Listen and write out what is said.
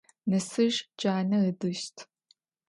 Нэсыж джанэ ыдыщт.